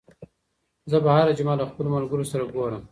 زه به هره جمعه له خپلو ملګرو سره ګورم.